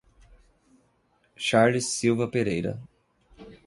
Charles Silva Pereira